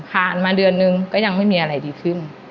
ผ่านมาเดือนนึงก็ยังไม่มีอะไรดีขึ้น